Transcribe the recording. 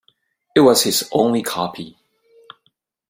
It was his only copy.